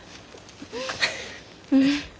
うん。